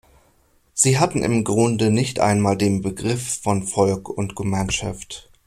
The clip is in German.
Sie hatte im Grunde nicht einmal den Begriff von Volk und Gemeinschaft.